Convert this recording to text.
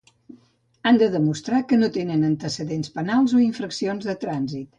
Han de demostrar que no tenen antecedents penals o infraccions de trànsit.